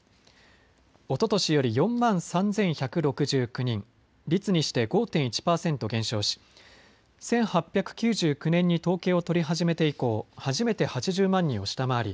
おととしより４万３１６９人率にして５．１％減少し１８９９年に統計を取り始めて以降、初めて８０万人を下回り